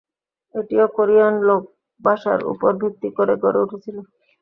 এটিও কোরিয়ান লোক ভাষার উপর ভিত্তি করে গড়ে উঠেছিল।